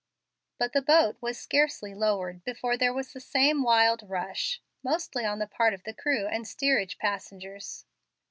But the boat was scarcely lowered before there was the same wild rush, mostly on the part of the crew and steerage passengers.